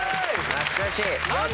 懐かしい。